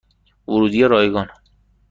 ورودی رایگان